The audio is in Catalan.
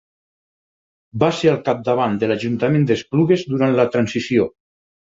Va ser al capdavant de l'Ajuntament d'Esplugues durant la Transició.